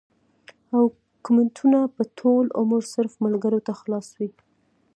او کمنټونه به ټول عمر صرف ملکرو ته خلاص وي